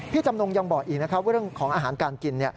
จำนงยังบอกอีกนะครับว่าเรื่องของอาหารการกิน